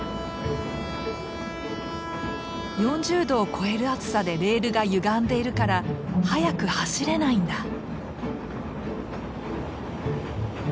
４０度を超える暑さでレールがゆがんでいるから速く走れないんだ。